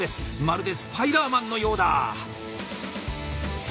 まるでスパイダーマンのようだ。